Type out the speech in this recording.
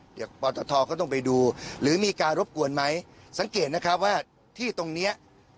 เดี๋ยวปตทก็ต้องไปดูหรือมีการรบกวนไหมสังเกตนะครับว่าที่ตรงเนี้ย